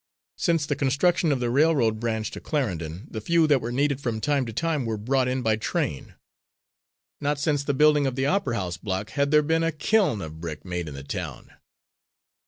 Since the construction of the railroad branch to Clarendon the few that were needed from time to time were brought in by train. Not since the building of the Opera House block had there been a kiln of brick made in the town.